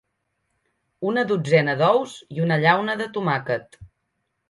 Una dotzena d'ous i una llauna de tomàquet.